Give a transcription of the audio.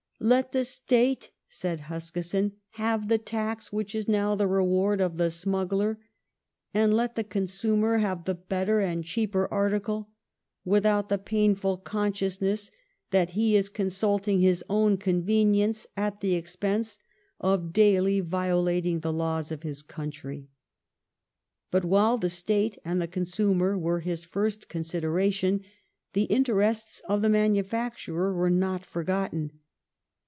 *' Let the State," said Huskisson, '' have the tax which is now the reward of the smuggler, and let the consumer have the better and cheaper article without the painful consciousness that he is consulting his own convenience at the expense of daily violating the laws of his country." But while the State and the consumer were his first consideration, the interests of the manufacturer were not forgotten.